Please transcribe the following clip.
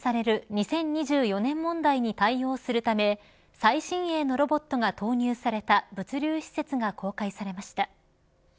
２０２４年問題に対応するため最新鋭のロボットが投入された物流施設が公開されました。